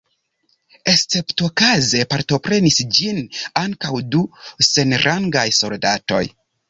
Esceptokaze partoprenis ĝin ankaǔ du senrangaj soldatoj.